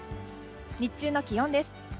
日中の気温です。